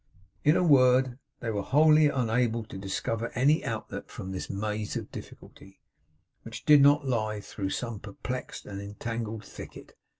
In a word, they were wholly unable to discover any outlet from this maze of difficulty, which did not lie through some perplexed and entangled thicket.